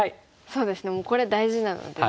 そうですねこれ大事なのでね。